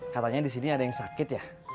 katanya disini ada yang sakit ya